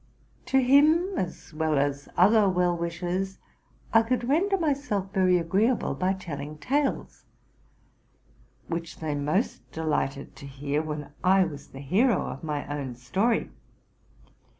To him, as well as other well wishers, I could render myself very agreeable by telling tales, which they most delighted to hear when I was the hero of my own story.